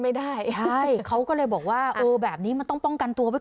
เออนี่หูเขาก็บอกแบบนี้คุณผู้ชมพี่พอ